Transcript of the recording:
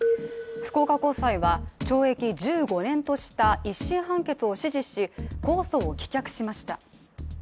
福岡高裁は懲役１５年とした１審判決を支持し、控訴を棄却しました。